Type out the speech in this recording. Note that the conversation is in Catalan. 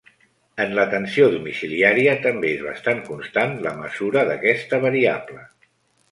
En l'atenció domiciliària també és bastant constant la mesura d'aquesta variable.